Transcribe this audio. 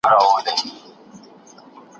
خدای خبر چي پر دې لار دي ګذر کیږي